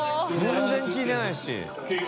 全然聞いてないし。